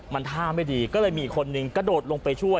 มันท่าไม่ดีก็เลยมีอีกคนนึงกระโดดลงไปช่วย